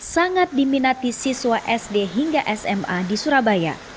sangat diminati siswa sd hingga sma di surabaya